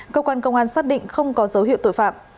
cơ quan công an xác định không có dấu hiệu tội phạm